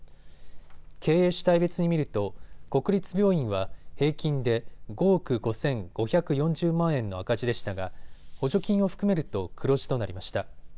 経営主体別に見ると国立病院は平均で５億５５４０万円の赤字でしたが補助金を含めると黒字となりました。